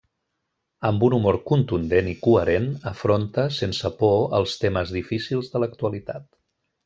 Amb un humor contundent i coherent, afronta sense por els temes difícils de l'actualitat.